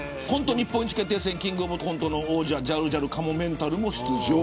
キングオブコントの王者ジャルジャル、かもめんたるも出場。